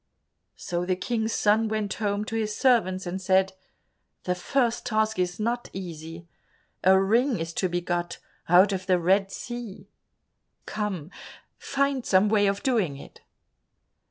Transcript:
So the King's son went home to his servants and said, "The first task is not easy. A ring is to be got out of the Red Sea. Come, find some way of doing it."